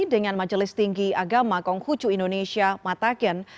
dengan majelis tinggi agama kongkucu indonesia mataken